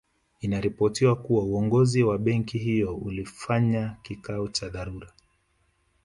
Inaripotiwa kuwa uongozi wa benki hiyo ulifanya kikao cha dharura